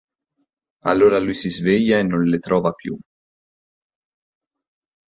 Allora lui si sveglia e non le trova più.